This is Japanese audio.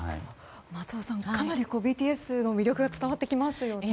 松尾さん、かなりＢＴＳの魅力が伝わってきますよね。